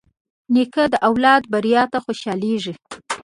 نیکه د اولاد بریا ته خوشحالېږي.